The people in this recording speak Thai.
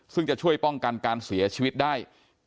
ซึ่งจะช่วยป้องกันการเสียชีวิตได้